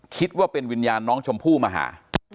คิดว่าเป็นวิญญาณน้องชมพู่มาหา